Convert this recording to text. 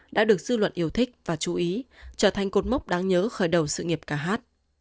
đã được dư luận yêu thích và chú ý trở thành cột mốc đáng nhớ khởi đầu sự nghiệp ca hát